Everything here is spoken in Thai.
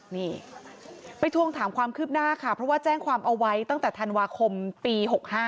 นี่ไปทวงถามความคืบหน้าค่ะเพราะว่าแจ้งความเอาไว้ตั้งแต่ธันวาคมปี๖๕